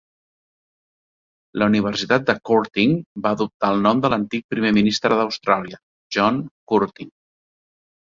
La Universitat de Curtin va adoptar el nom de l'antic primer ministre d'Austràlia, John Curtin.